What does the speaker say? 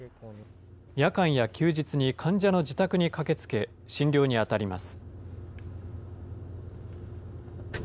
夜間や休日に患者の自宅に駆けつけ、診療に当たります。